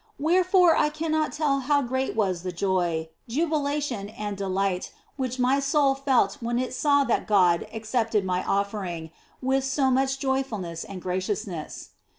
Wherefore I cannot tell how great was the joy, jubilation, and delight which my soul felt when 234 THE BLESSED ANGELA it saw that God accepted my offering with so much joy fulness and graciousness.